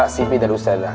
cv dari ustadz